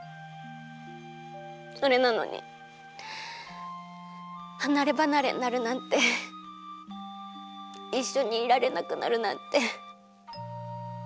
それなのにはなればなれになるなんていっしょにいられなくなるなんて。